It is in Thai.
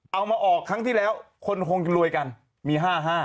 มาออกครั้งที่แล้วคนคงจะรวยกันมี๕๕